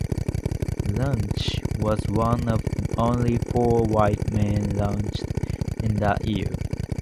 Lynch was one of only four white men lynched in that year.